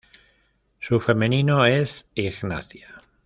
Su femenino es Ignacia.